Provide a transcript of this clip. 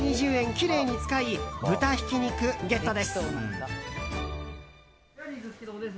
きれいに使い豚ひき肉ゲットです。